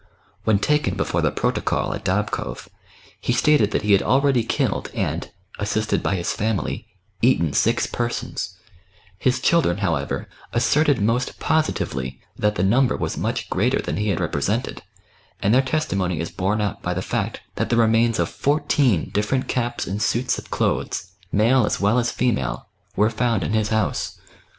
When taken before the Protokoll at Dabkow, he stated that he had already killed and — assisted by his family — eaten six persons : his children, however, asserted most positively that the number was much greater than he had represented, and their testimony is borne out by the fact, that the remains oi fourteen diflferent caps and suits of clothes, male as well as female, were found in his house.